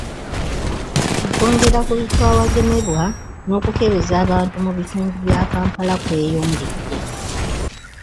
Okwongera ku bifo awagemebwa n'okukebeza abantu mu bitundu bya Kampala kweyongedde.